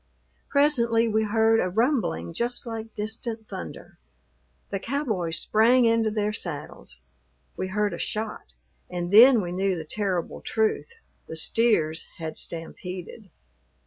Presently we heard a rumbling just like distant thunder. The cowboys sprang into their saddles; we heard a shot, and then we knew the terrible truth, the steers had stampeded.